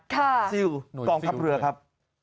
ซิลกองทัพเรือครับ